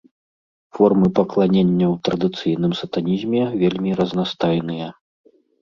Формы пакланення ў традыцыйным сатанізме вельмі разнастайныя.